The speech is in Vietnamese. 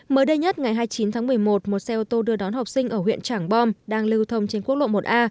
mới đây nhất ngày hai mươi chín tháng một mươi một một xe ô tô đưa đón học sinh ở huyện trảng bom đang lưu thông trên quốc lộ một a